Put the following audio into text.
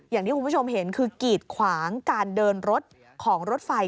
อย่างที่คุณผู้ชมเห็นคือกีดขวางการเดินรถของรถไฟ